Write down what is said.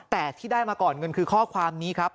แต่ที่ได้มาก่อนเงินคือข้อความนี้ครับ